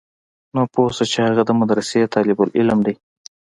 نو پوه سه چې هغه د مدرسې طالب العلم دى.